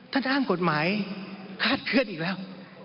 ถ้าอ้างกฎหมายคาดเคลื่อนอีกแล้ว